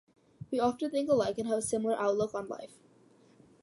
We often think alike and have a similar outlook on life.